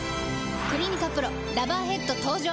「クリニカＰＲＯラバーヘッド」登場！